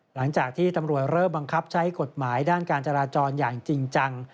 หลังจากที่ตำรวจเริ่มบังคับใช้กฎหมายด้านการจราจรอย่างจริงจัง